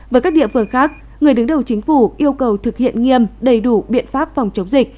với các địa phương khác người đứng đầu chính phủ yêu cầu thực hiện nghiêm đầy đủ biện pháp phòng chống dịch